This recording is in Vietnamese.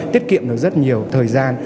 tiết kiệm được rất nhiều thời gian